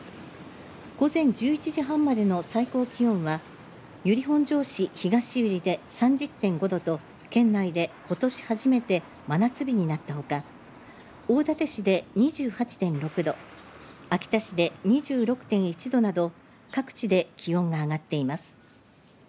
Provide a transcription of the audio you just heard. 午前１１時半までの最高気温は由利本荘市東由利で３０．５度と県内で、ことし初めて真夏日になったほか大館市で２８．６度秋田市で２６．１度など各地で気温が上がっています。